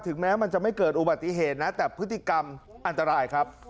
แม้มันจะไม่เกิดอุบัติเหตุนะแต่พฤติกรรมอันตรายครับ